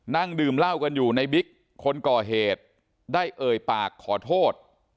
นั่งดื่มเหล้ากันอยู่ในบิ๊กคนก่อเหตุได้เอ่ยปากขอโทษ